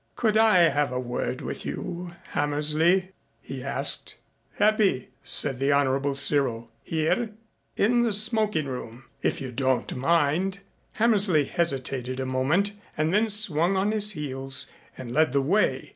"Could I have a word with you, Hammersley?" he asked. "Happy," said the Honorable Cyril. "Here?" "In the smoking room if you don't mind?" Hammersley hesitated a moment and then swung on his heels and led the way.